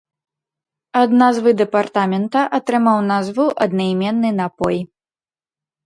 Ад назвы дэпартамента атрымаў назву аднаіменны напой.